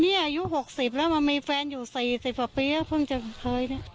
นี่อายุหกสิบแล้วมันมีแฟนอยู่๔๑๐ปีแล้วพึ่งจะเคย